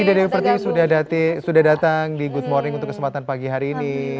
terima kasih dede wiperti sudah datang di good morning untuk kesempatan pagi hari ini